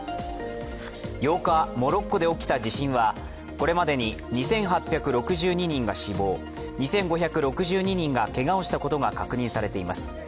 ８日、モロッコで起きた地震はこれまでに２８６２人が死亡２５６２人がけがをしたことが確認されています。